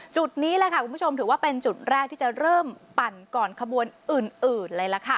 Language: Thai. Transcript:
จุดนี้คุณผู้ชมถือว่าเป็นจุดแรกที่จะเริ่มปั่นก่อนขบวนอื่นเลย